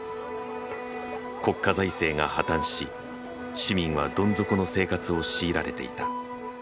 国家財政が破綻し市民はどん底の生活を強いられていた。